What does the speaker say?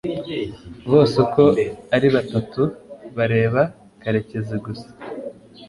bose uko ari batatu bareba karekezi gusa